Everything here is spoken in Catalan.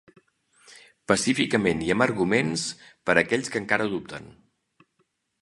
Pacíficament i amb arguments per aquells que encara dubten.